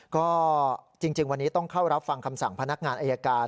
ก็จริงวันนี้ต้องเข้ารับฟังคำสั่งพนักงานอายการ